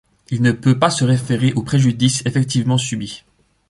Il ne peut pas se référer au préjudice effectivement subi.